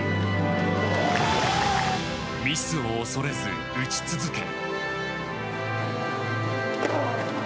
ミスを恐れず打ち続け。